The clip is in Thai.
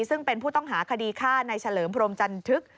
ซึ่งเป็นผู้ต้องหาคดีฆ่าในเฉลิมพรมจันทึก